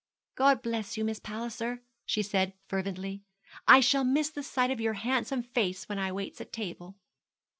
'God bless you, Miss Palliser,' she said fervently; 'I shall miss the sight of your handsome face when I waits at table.'